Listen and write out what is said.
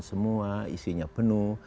semua isinya penuh